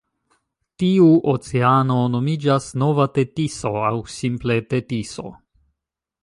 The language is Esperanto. Tiu oceano nomiĝas Nova Tetiso aŭ simple Tetiso.